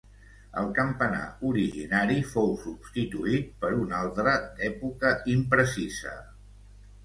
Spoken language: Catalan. El campanar originari fou substituït per un altre d'època imprecisa.